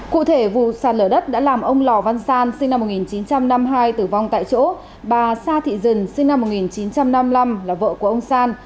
cụ thể vụ sàn lở đất đã làm ông lò văn san sinh năm một nghìn chín trăm năm mươi hai tử vong tại chỗ bà sa thị dần sinh năm một nghìn chín trăm năm mươi năm là vợ của ông san